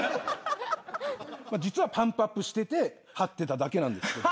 実はパンプアップしてて張ってただけなんです。